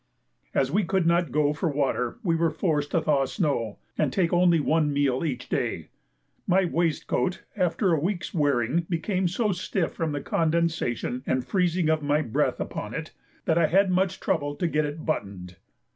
As we could not go for water we were forced to thaw snow, and take only one meal each day. My waistcoat after a week's wearing became so stiff from the condensation and freezing of my breath upon it, that I had much trouble to get it buttoned.